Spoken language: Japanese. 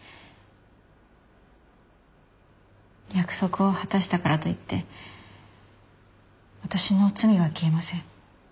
約束を果たしたからといって私の罪は消えません。